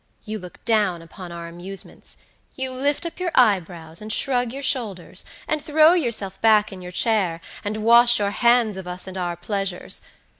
You look down upon our amusements; you lift up your eyebrows, and shrug your shoulders, and throw yourself back in your chair, and wash your hands of us and our pleasures.